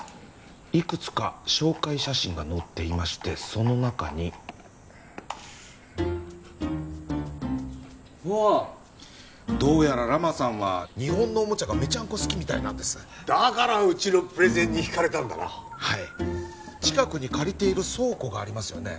いくつか紹介写真が載っていましてその中にわあどうやらラマさんは日本のおもちゃがメチャンコ好きみたいなんですだからうちのプレゼンにひかれたんだなはい近くに借りている倉庫がありますよね